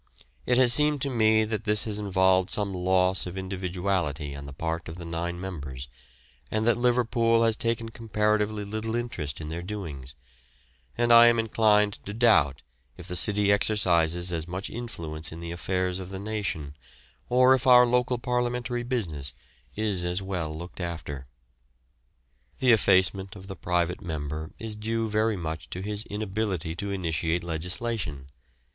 It has seemed to me that this has involved some loss of individuality on the part of the nine members, and that Liverpool has taken comparatively little interest in their doings, and I am inclined to doubt if the city exercises as much influence in the affairs of the nation, or if our local parliamentary business is as well looked after. The effacement of the private member is due very much to his inability to initiate legislation.